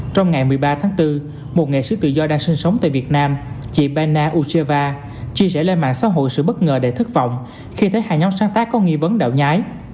trong ngày một mươi ba tháng bốn một nghệ sĩ tự do đang sinh sống tại việt nam chị benna ucheva chia sẻ lên mạng xã hội sự bất ngờ đầy thất vọng khi thấy hai nhóm sáng tác có nghi vấn đạo nhái